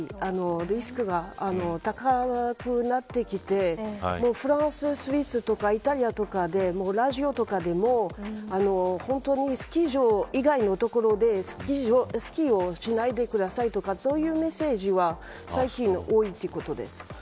リスクが高くなってきてフランススイスとかイタリアとかでラジオとかでも本当にスキー場以外の所でスキーをしないでくださいとかそういうメッセージは最近多いということです。